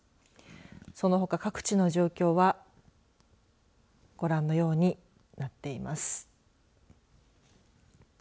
そのほか各地の状況はご覧のようになっています。